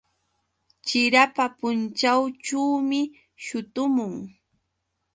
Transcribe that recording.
Chirapa punćhawćhuumi shutumun.